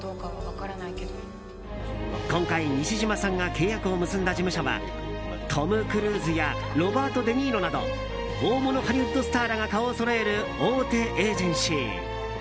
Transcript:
今回、西島さんが契約を結んだ事務所はトム・クルーズやロバート・デ・ニーロなど大物ハリウッドスターらが顔をそろえる大手エージェンシー。